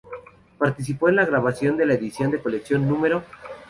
Participó en la grabación de la Edición de Colección No.